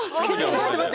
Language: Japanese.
待って待って。